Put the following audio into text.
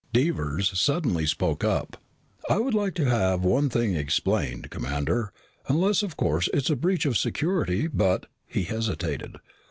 Devers suddenly spoke up. "I would like to have one thing explained, Commander, unless, of course, it's a breach of security, but " He hesitated.